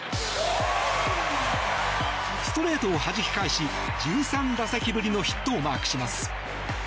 ストレートをはじき返し１３打席ぶりのヒットをマークします。